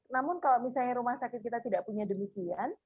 namun kalau misalnya rumah sakit kita tidak punya demikian